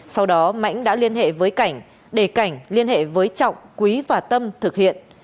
sau đó mãnh đã liên hệ với cảnh để cảnh liên hệ với trọng quý và tâm thực hiện